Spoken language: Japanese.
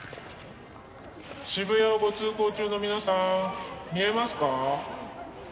渋谷をご通行中の皆さん見えますか？